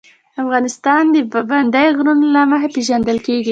افغانستان د پابندی غرونه له مخې پېژندل کېږي.